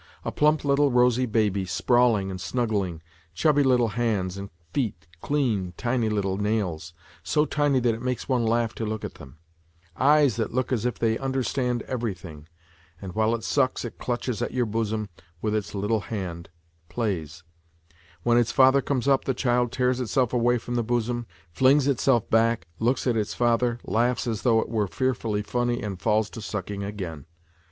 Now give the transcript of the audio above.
A plump little rosy baby, sprawling and snuggling, chubby little hands and feet, clean tiny little nails, so tiny that it makes one laugh to look at them ; eyes that look as if they understand everything. And while it sucks it clutches at your bosom with its little hand, plays. When its father comes up, the child tears itself away from the bosom, flings itself back, looks at its father, laughs, as though it were fearfully funny and falls to sucking again.